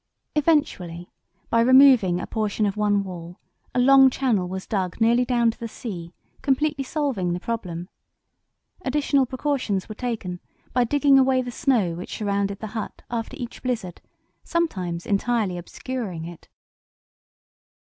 Eventually, by removing a portion of one wall a long channel was dug nearly down to the sea, completely solving the problem. Additional precautions were taken by digging away the snow which surrounded the hut after each blizzard, sometimes entirely obscuring it.